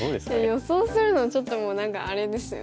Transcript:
予想するのちょっともう何かあれですよね。